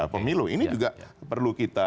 pemilu ini juga perlu